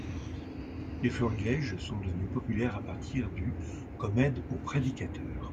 Les florilèges sont devenus populaires à partir du comme aide aux prédicateurs.